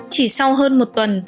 chỉ sau hơn một tuần